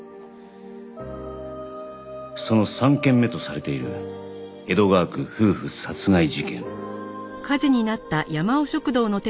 その３件目とされている江戸川区夫婦殺害事件